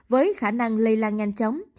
với khả năng lây lan nhanh chóng